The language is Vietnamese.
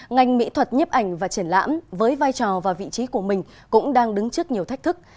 ngành mỹ thuật nhiếp ảnh và triển lãm với vai trò và vị trí của mình cũng đang đứng trước nhiều thách thức